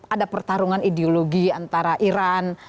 ada pertarungan ideologi antara iran